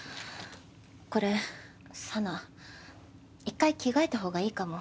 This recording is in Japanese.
これ紗奈一回着替えた方がいいかも。